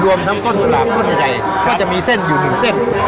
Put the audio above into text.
รวมทั้งต้นสลากต้นใหญ่ก็จะมีเส้นอยู่หนึ่งเส้น